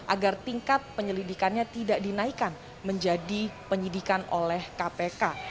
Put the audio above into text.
agar tingkat penyelidikannya tidak dinaikkan menjadi penyidikan oleh kpk